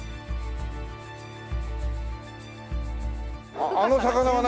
あっあの魚は何？